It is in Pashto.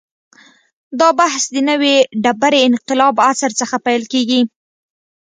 دا بحث د نوې ډبرې انقلاب عصر څخه پیل کېږي.